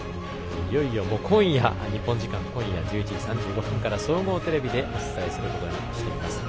いよいよ、日本時間の今夜１１時３５分から総合テレビでお伝えすることにしています。